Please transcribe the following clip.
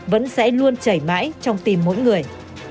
vẫn sẽ luôn chảy mãi trong tim mỗi người